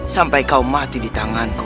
sampai kau mati di tanganku